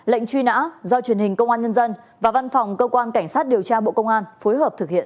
lệnh truy nã do truyền hình công an nhân dân và văn phòng cơ quan cảnh sát điều tra bộ công an phối hợp thực hiện